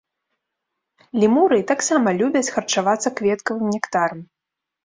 Лемуры таксама любяць харчавацца кветкавым нектарам.